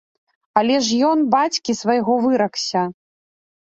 Але ж ён бацькі свайго выракся.